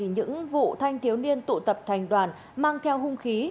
những vụ thanh thiếu niên tụ tập thành đoàn mang theo hung khí